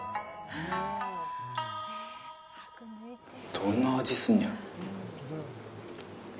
どんな味、すんねやろ。